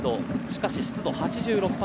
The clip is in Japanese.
しかし、湿度８６％。